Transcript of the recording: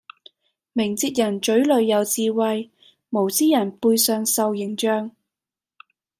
明哲人嘴裡有智慧，無知人背上受刑杖